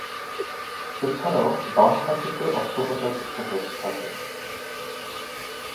এছাড়াও, বাম হাঁটুতে অস্ত্রোপচার করতে হয়েছে তাকে।